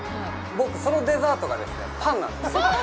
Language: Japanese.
僕、そのデザートが、パンなんですよ。